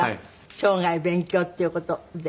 生涯勉強っていう事で。